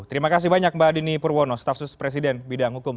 terima kasih banyak mbak dini purwono staf sus presiden bidang hukum